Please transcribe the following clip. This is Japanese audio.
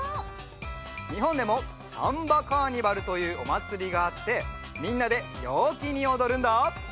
にほんでもサンバカーニバルというおまつりがあってみんなでようきにおどるんだ。